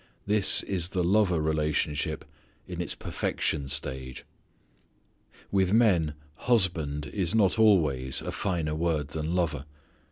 This is the lover relationship in its perfection stage. With men husband is not always a finer word than lover.